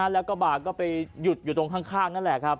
แล้วก็บาก็ไปหยุดอยู่ตรงข้าง